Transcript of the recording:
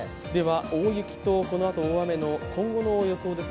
大雪とこのあと大雨の今後の予想です。